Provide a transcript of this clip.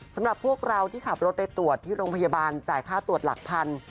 สำหรับพวกเราที่ขับรถไปตรวจที่โรงพยาบาลจ่ายค่าตรวจหลักพัน